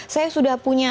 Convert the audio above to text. saya sudah punya